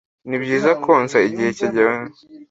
ni byiza Konsa igihe kigenwe